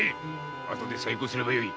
あとで細工をすればよい。